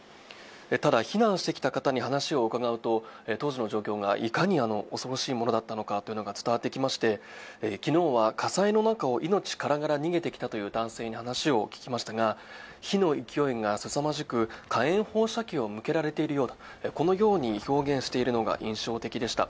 ただ避難してきた方に話を伺うと当時の状況がいかに恐ろしいものかというのが伝わってきまして、昨日は火災の中を命からがら逃げてきたという男性に話を聞きましたが火の勢いがすさまじく、火炎放射器を向けられているようだ、このように表現しているのが印象的でした。